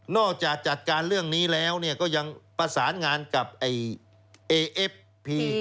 นอกจากจัดการณ์เรื่องนี้แล้วเนี่ยก็ยังประสานงานกับไอเอเอเอฟพี